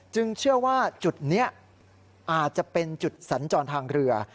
เชื่อว่าจุดนี้อาจจะเป็นจุดสัญจรทางเรือ